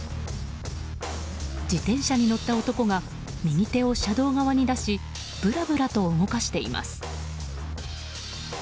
自転車に乗った男が右手を車道側に出しぶらぶらと動かしています。